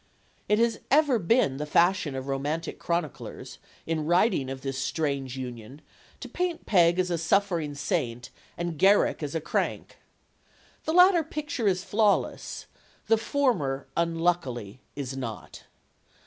It has ever been the fashion of romantic chroniclers, in writing of this strange union, to paint Peg as a PEG WOFFINGTON 53 suffering saint and Garrick as a crank. The latter pic ture is flawless. The former, unluckily, is not.